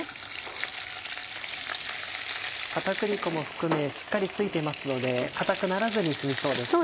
片栗粉も含めしっかり付いてますので硬くならずに済みそうですね。